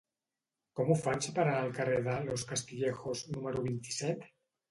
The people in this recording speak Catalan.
Com ho faig per anar al carrer de Los Castillejos número vint-i-set?